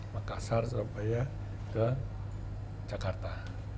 makassar sampai ke jakarta